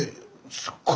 すっごい